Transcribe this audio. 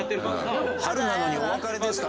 「春なのにお別れですか」